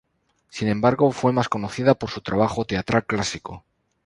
Sin embargo, fue más conocida por su trabajo teatral clásico.